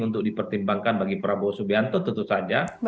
untuk dipertimbangkan bagi prabowo subianto tentu saja